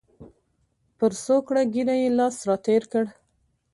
پر څوکړه ږیره یې لاس را تېر کړ.